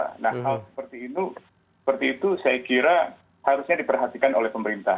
hal seperti itu saya kira harusnya diperhatikan oleh pemerintah